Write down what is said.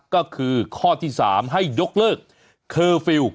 ก็คือข้อที่๓ให้ยกเลิกเคอร์ฟิลล์